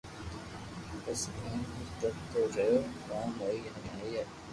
بس ايم ھي ڪرتو رھي ڪوم ھوئي جائي